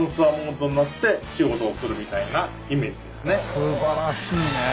すばらしいねえ。